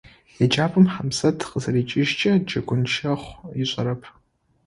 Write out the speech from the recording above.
ЕджапӀэм Хьамзэт къызикӀыжькӀэ, джэгун щэхъу ышӀэрэп.